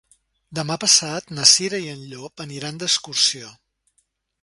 Demà passat na Cira i en Llop aniran d'excursió.